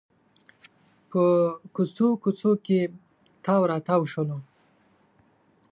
په کوڅو کوڅو کې تاو راتاو شولو.